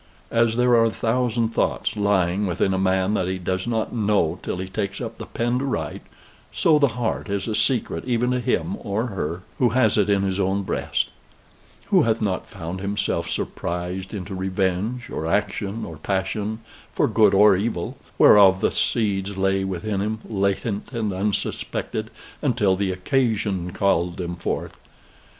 As there are a thousand thoughts lying within a man that he does not know till he takes up the pen to write, so the heart is a secret even to him (or her) who has it in his own breast. Who hath not found himself surprised into revenge, or action, or passion, for good or evil, whereof the seeds lay within him, latent and unsuspected, until the occasion called them forth?